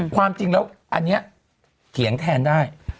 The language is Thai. ความจริงแล้วอันนี้เถียงแทนได้